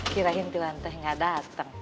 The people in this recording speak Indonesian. kirain tuan teh gak datang